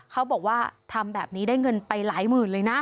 เขาบอกว่าทำแบบนี้ได้เงินไปหลายหมื่นเลยนะ